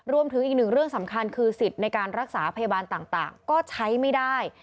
รวมถึงอีกหนึ่งเรื่องสำคัญคือสิทธิ์ในการรักษาพยาบาลต่างก็ใช้ไม่ได้